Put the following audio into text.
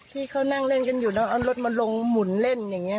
ที่เขานั่งเล่นกันอยู่แล้วเอารถมาลงหมุนเล่นอย่างนี้